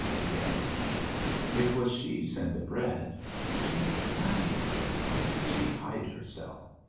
"Yes." "It was she sent the bread. She is funny. Why should she hide herself?